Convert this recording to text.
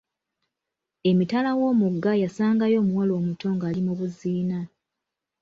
Emitala w'omugga yasangayo omuwala omuto ng'ali mu buziina.